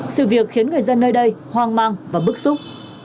sự việc khiến người dân nơi đây hoang mang và bức xúc